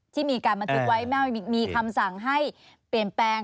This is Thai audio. ที่มีการบันทึกไว้ไม่มีคำสั่งให้เปลี่ยนแปลง